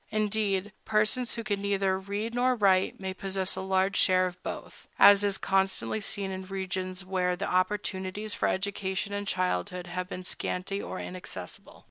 Indeed, persons who can neither read nor write may possess a large share of both, as is constantly seen in regions where the opportunities for education in childhood have been scanty or inaccessible.